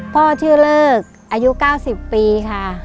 พ่อชื่อเลิกอายุ๙๐ปีค่ะ